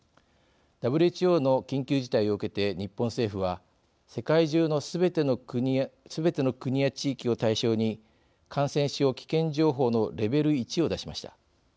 ＷＨＯの緊急事態を受けて日本政府は世界中のすべての国や地域を対象に感染症危険情報のレベル１を出しました。